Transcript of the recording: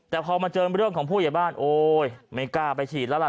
แต่พอมาเจอเรื่องของผู้ใหญ่บ้านโอ๊ยไม่กล้าไปฉีดแล้วล่ะ